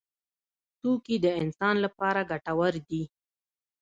توکي د انسان لپاره ګټور دي.